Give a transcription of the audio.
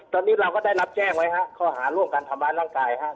ตอนนี้เราก็ได้รับแจ้งไว้ฮะข้อหาร่วมกันทำร้ายร่างกายครับ